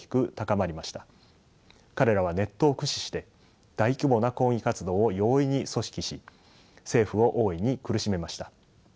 彼らはネットを駆使して大規模な抗議活動を容易に組織し政府を大いに苦しめました。